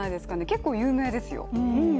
結構有名ですよ。